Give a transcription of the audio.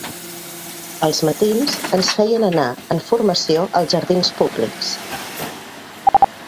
Els matins ens feien anar en formació als jardins públics